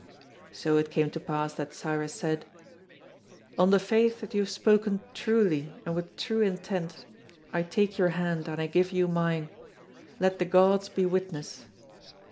So it came to pass that Cyrus said, "On the faith that you have spoken truly and with true intent, I take your hand and I give you mine; let the gods be witness."